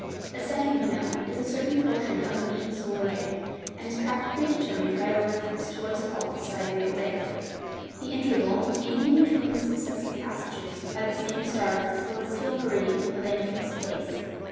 A second, we know, is a certain portion of a mean solar day, and is practically determined by a reference to what is called a sidereal day—the interval, namely, between the successive passages by the same star of the celestial meridian of any fixed place.